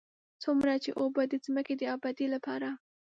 څومره چې اوبه د ځمکې د ابادۍ لپاره.